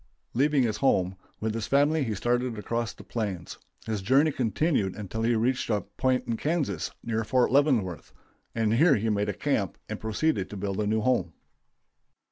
Leaving his home, with his family he started across the plains. His journey continued until he reached a point in Kansas near Fort Leavenworth, and here he made camp and proceeded to build a new home.